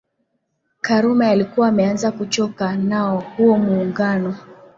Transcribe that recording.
Karume alikuwa ameanza kuchoka nao huo Muungano